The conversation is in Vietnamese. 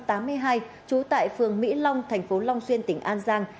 trú tại phường mỹ long thành phố long xuyên tỉnh an giang